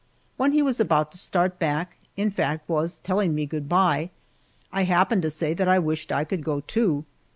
When he was about to start back, in fact, was telling me good by, I happened to say that I wished I could go, too.